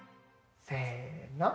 せの。